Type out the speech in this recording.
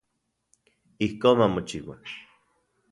Ijkon mamochiua.